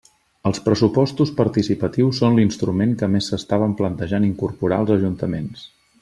Els pressupostos participatius són l'instrument que més s'estaven plantejant incorporar els ajuntaments.